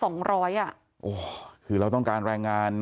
โอ้โหคือเราต้องการแรงงาน